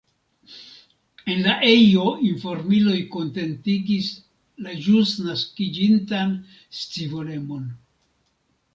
En la ejo informiloj kontentigis la ĵus naskiĝintan scivolemon.